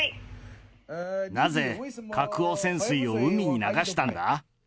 なぜ核汚染水を海に流したんだ？